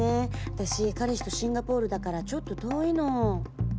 私彼氏とシンガポールだからちょっと遠いの」。